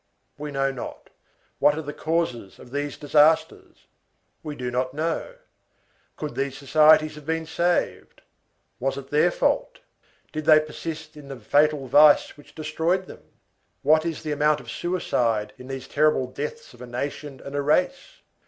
We know not. What are the causes of these disasters? We do not know. Could these societies have been saved? Was it their fault? Did they persist in the fatal vice which destroyed them? What is the amount of suicide in these terrible deaths of a nation and a race?